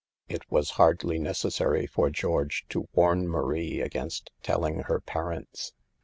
It was hardly necessary for George to warn Marie against telling her parents.